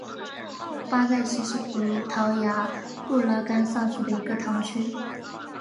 巴盖希是葡萄牙布拉干萨区的一个堂区。